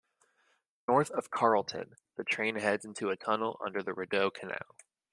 North of Carleton, the train heads into a tunnel under the Rideau Canal.